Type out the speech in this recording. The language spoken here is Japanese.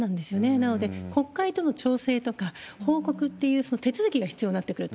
なので、国会との調整とか、報告っていう手続きが必要になってくると。